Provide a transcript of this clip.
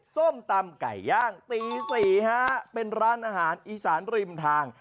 ส้มตำไก่ย่างตี๔ฮะเป็นร้านอาหารอีสานริมทาง